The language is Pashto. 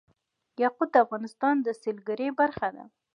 یاقوت د افغانستان د سیلګرۍ برخه ده.